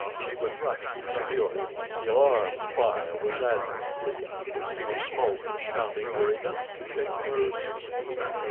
She would rush to secure it. The alarm of fire was admirably done. The smoke and shouting were enough to shake nerves of steel.